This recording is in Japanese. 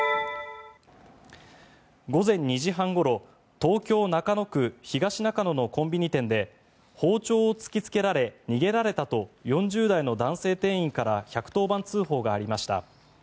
午前２時半ごろ東京・中野区東中野のコンビニ店で包丁を突きつけられ逃げられたと４０代の男性店員から１１０番通報がありました。